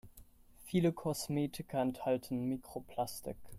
Viele Kosmetika enthalten Mikroplastik.